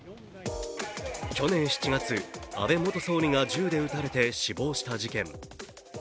去年７月、安倍元総理が銃で撃たれて死亡した事件。